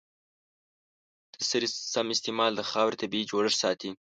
د سرې سم استعمال د خاورې طبیعي جوړښت ساتي.